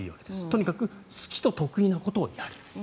とにかく好きと得意なことをやる。